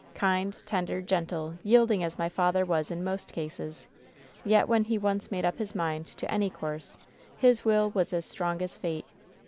Kind, tender, gentle, yield ing as my father was in most cases, yet when he once made up his mind to any course his will was as strong as fate.